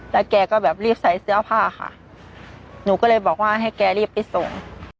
แล้วแกก็แบบรีบใส่เสื้อผ้าค่ะหนูก็เลยบอกว่าให้แกรีบไปส่ง